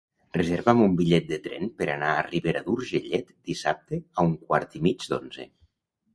Reserva'm un bitllet de tren per anar a Ribera d'Urgellet dissabte a un quart i mig d'onze.